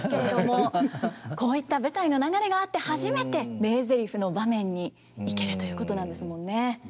こういった舞台の流れがあって初めて名ゼリフの場面に行けるということなんですもんね。